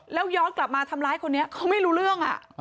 แล้วย้อนกลับมาทำร้ายคนนี้เขาไม่รู้เรื่อง